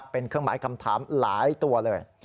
เป็นเครื่องหมายคำถามหลายตัวเลย